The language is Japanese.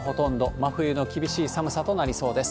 真冬の厳しい寒さとなりそうです。